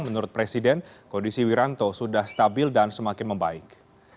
menurut presiden kondisi wiranto sudah stabil dan semakin membaik